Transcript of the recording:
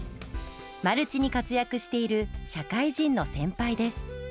マルチに活躍している社会人の先輩です。